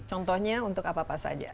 contohnya untuk apa apa saja